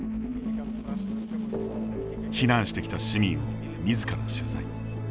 避難してきた市民をみずから取材。